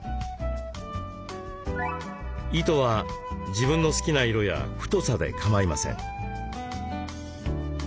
糸は自分の好きな色や太さで構いません。